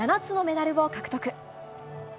７つのメダルを獲得。